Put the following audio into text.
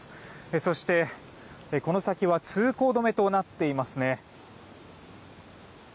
そして、この先は通行止めとなっていますね。